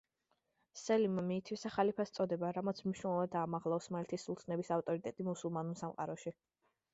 სელიმმა მიითვისა ხალიფას წოდება, რამაც მნიშვნელოვნად აამაღლა ოსმალეთის სულთნების ავტორიტეტი მუსულმანურ სამყაროში.